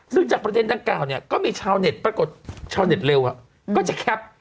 ซึ่งจากประเด็นดังกล่าวเนี่ยก็มีชาวเน็ตปรากฏชาวเน็ตเร็วก็จะแคป